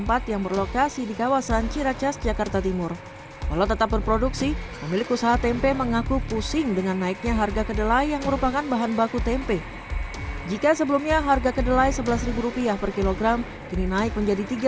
perkecil ukuran tempe